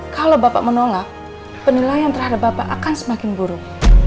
kalau bapak menolak penilaian terhadap bapak akan semakin buruk